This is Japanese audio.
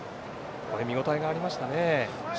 見応えがありましたね。